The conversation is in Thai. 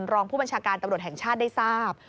รองผู้บัญชาการตำรวจแห่งชาติได้ทราบ